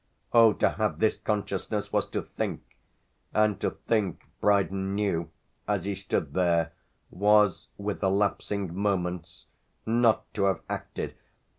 Oh to have this consciousness was to think and to think, Brydon knew, as he stood there, was, with the lapsing moments, not to have acted!